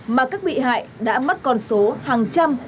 mà các bị hại đã mất con số hàng trăm